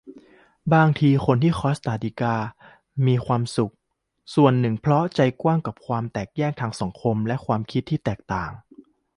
"บางทีที่คนคอสตาริกามีความสุข ส่วนหนึ่งเพราะ ใจกว้างกับความแตกแยกทางสังคมและความคิดเห็นที่แตกต่าง"